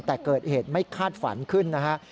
แต่เกิดเหตุไม่คาดฝันขึ้นนะฮะ